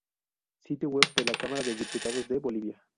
Sitio Web de la Cámara de Diputados de Bolivia